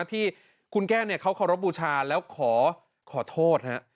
ที่คุณแก้วเขาเคารพบูชาแล้วขอขอโทษ